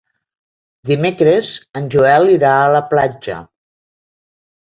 Dimecres en Joel irà a la platja.